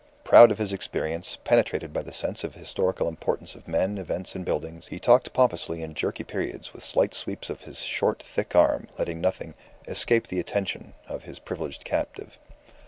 Proud of his experience, penetrated by the sense of historical importance of men, events, and buildings, he talked pompously in jerky periods, with slight sweeps of his short, thick arm, letting nothing "escape the attention" of his privileged captive.